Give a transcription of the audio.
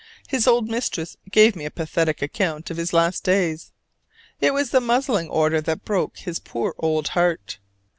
His old mistress gave me a pathetic account of his last days. It was the muzzling order that broke his poor old heart.